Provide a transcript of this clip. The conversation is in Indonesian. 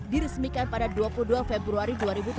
diresmikan pada dua puluh dua februari dua ribu tujuh belas